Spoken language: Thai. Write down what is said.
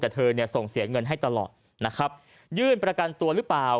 แต่เธอเนี่ยส่งเสียเงินให้ตลอดนะครับยื่นประกันตัวหรือเปล่า